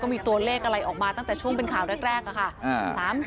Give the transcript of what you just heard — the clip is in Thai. มีตัวเลขอะไรออกมาตั้งแต่ช่วงเป็นข่าวแรกค่ะ